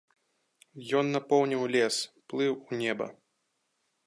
Ён напоўніў лес, плыў у неба.